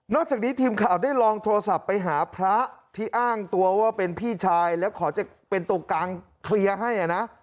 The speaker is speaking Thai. จากนี้ทีมข่าวได้ลองโทรศัพท์ไปหาพระที่อ้างตัวว่าเป็นพี่ชายแล้วขอจะเป็นตัวกลางเคลียร์ให้นะ